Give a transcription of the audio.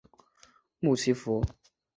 穆奇福。